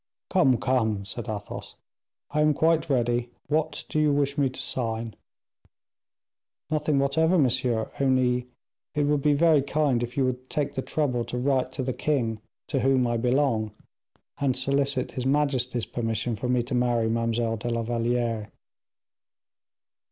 "Come, come," said Athos, "I am quite ready; what do you wish me to sign?" "Nothing whatever, monsieur, only it would be very kind if you would take the trouble to write to the king, to whom I belong, and solicit his majesty's permission for me to marry Mademoiselle de la Valliere."